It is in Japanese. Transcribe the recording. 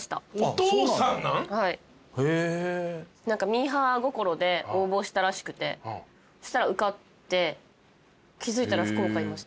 ミーハー心で応募したらしくてそしたら受かって気付いたら福岡いました。